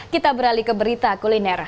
kita beralih ke berita kuliner